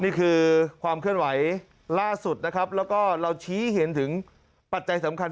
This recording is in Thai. นี่คือความเคลื่อนไหวล่าสุดนะครับแล้วก็เราชี้เห็นถึงปัจจัยสำคัญ